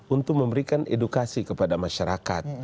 untuk memberikan edukasi kepada masyarakat